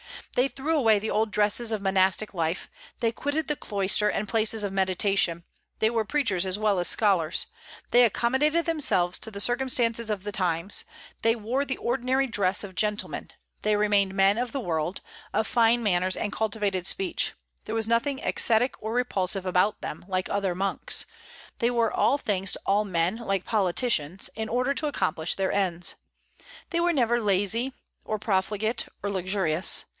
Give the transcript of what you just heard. They threw away the old dresses of monastic life; they quitted the cloister and places of meditation; they were preachers as well as scholars; they accommodated themselves to the circumstances of the times; they wore the ordinary dress of gentlemen; they remained men of the world, of fine manners and cultivated speech; there was nothing ascetic or repulsive about them, like other monks; they were all things to all men, like politicians, in order to accomplish their ends; they never were lazy, or profligate or luxurious.